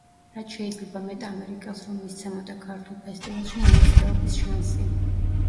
რაც შეიძლება მეტ ამერიკელს რომ მისცემოდა ქართულ ფესტივალში მონაწილეობის შანსი.